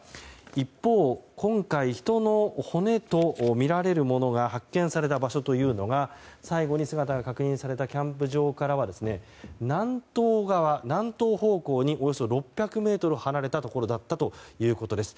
一方、今回人の骨とみられるものが発見された場所は最後に姿が確認されたキャンプ場から南東方向に、およそ６００ｍ離れたところだったということです。